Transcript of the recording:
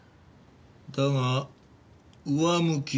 だが上向きだ。